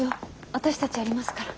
私たちやりますから。